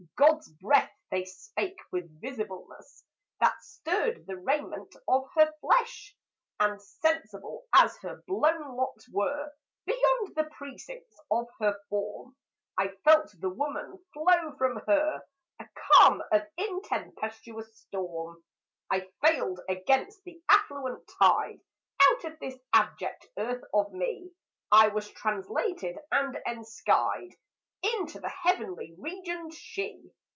God's breath they spake, with visibleness That stirred the raiment of her flesh: And sensible, as her blown locks were, Beyond the precincts of her form I felt the woman flow from her A calm of intempestuous storm. I failed against the affluent tide; Out of this abject earth of me I was translated and enskied Into the heavenly regioned She.